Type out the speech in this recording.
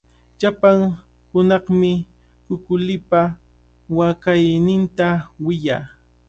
Llapan hunaqmi kukulipa waqayninta wiyaa.